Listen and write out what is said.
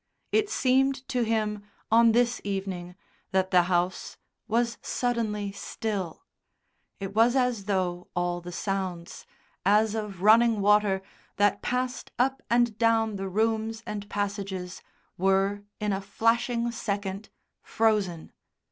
It seemed to him, on this evening, that the house was suddenly still; it was as though all the sounds, as of running water, that passed up and down the rooms and passages, were, in a flashing second, frozen.